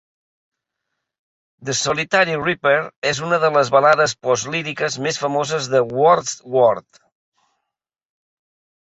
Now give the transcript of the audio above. "The Solitary Reaper és una de les balades postlíriques més famoses de Wordsworth".